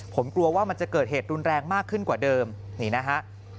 ผมกลัวว่ามันจะเกิดเหตุรุนแรงมากขึ้นกว่าเดิมนี่นะฮะ